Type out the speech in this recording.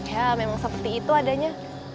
ya memang seperti itu adanya